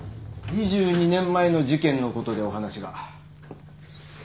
２２年前の事件のことでお話が。